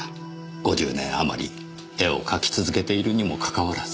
５０年あまり絵を描き続けているにもかかわらず。